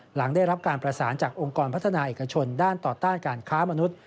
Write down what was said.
หลังได้รับการประสานจากองค์กรพัฒนาเอกชนด้านต่อต้านการค้ามนุษย์